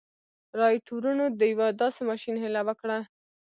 رایټ وروڼو د یوه داسې ماشين هیله وکړه